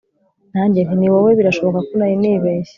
Nanjye nti Ni wowe Birashoboka ko nari nibeshye